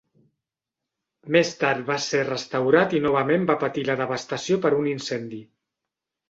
Més tard va ser restaurat i novament va patir la devastació per un incendi.